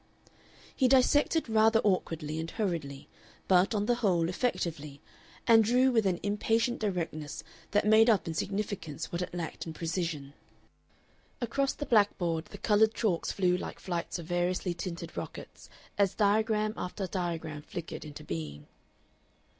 He dissected rather awkwardly and hurriedly, but, on the whole, effectively, and drew with an impatient directness that made up in significance what it lacked in precision. Across the blackboard the colored chalks flew like flights of variously tinted rockets as diagram after diagram flickered into being.